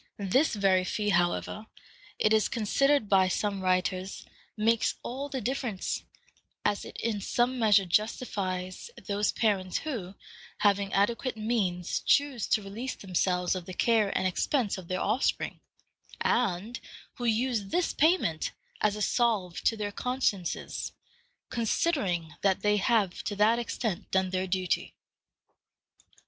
This very fee, however, it is considered by some writers, makes all the difference, as it in some measure justifies those parents who, having adequate means, choose to release themselves of the care and expense of their offspring, and who use this payment as a salve to their consciences, considering that they have to that extent done their duty.